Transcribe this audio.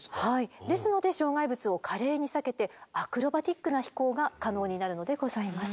ですので障害物を華麗に避けてアクロバティックな飛行が可能になるのでございます。